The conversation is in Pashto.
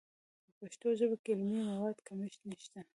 په پښتو ژبه کې د علمي موادو کمښت نشته.